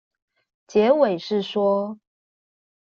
結尾是說